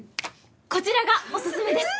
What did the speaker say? こちらがおすすめです！